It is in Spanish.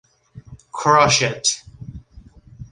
Crush It!